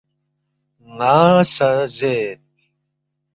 ن٘ا سہ زید